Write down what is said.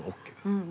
うん。